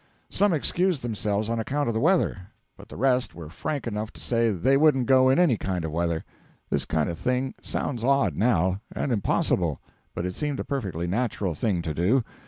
Some excused themselves on account of the weather; but the rest were frank enough to say they wouldn't go in any kind of weather. This kind of thing sounds odd now, and impossible, but it seemed a perfectly natural thing to do.